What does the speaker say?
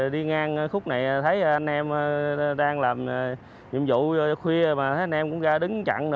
đi ngang khúc này thấy anh em đang làm nhiệm vụ khuya mà anh em cũng ra đứng chặn